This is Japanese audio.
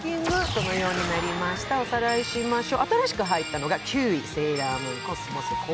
このようになりました、おさらいしましょう。